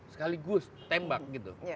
sekaligus tembak gitu